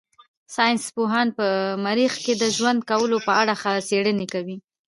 ساينس پوهان په مريخ کې د ژوند کولو په اړه څېړنې کوي.